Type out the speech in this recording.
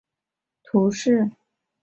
萨马尔索勒人口变化图示